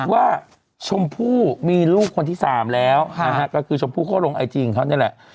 ว่าชมพู่มีลูกคนที่๓แล้วก็คือชมพู่เขาลงไอจีของเขาเนี่ยแหละ